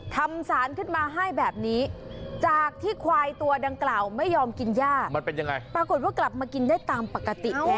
สารขึ้นมาให้แบบนี้จากที่ควายตัวดังกล่าวไม่ยอมกินย่ามันเป็นยังไงปรากฏว่ากลับมากินได้ตามปกติแล้ว